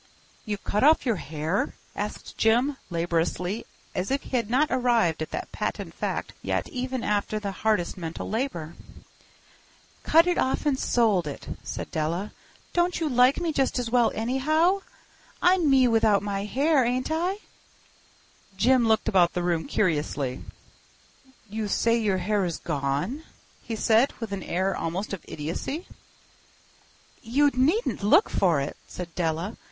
"You've cut off your hair?" asked Jim, laboriously, as if he had not arrived at that patent fact yet even after the hardest mental labor. "Cut it off and sold it," said Della. "Don't you like me just as well, anyhow? I'm me without my hair, ain't I?" Jim looked about the room curiously. "You say your hair is gone?" he said, with an air almost of idiocy. "You needn't look for it," said Della.